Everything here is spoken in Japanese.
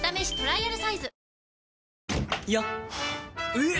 えっ！